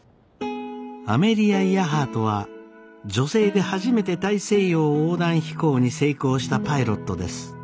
アメリア・イヤハートは女性で初めて大西洋横断飛行に成功したパイロットです。